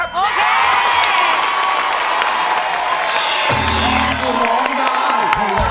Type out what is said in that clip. โครง